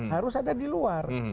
harus ada di luar